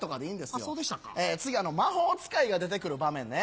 次魔法使いが出て来る場面ね。